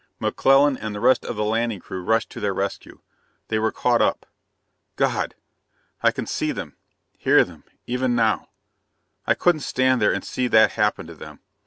McClellan and the rest of the landing crew rushed to their rescue. They were caught up. God! I can see them ... hear them ... even now! "I couldn't stand there and see that happen to them.